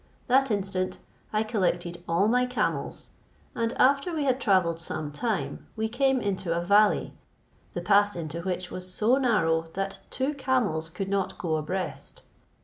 That instant I collected all my camels, and after we had travelled some time, we came into a valley, the pass into which was so narrow, that two camels could not go a breast.